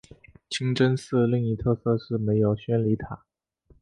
清真寺另一特色是没有宣礼塔。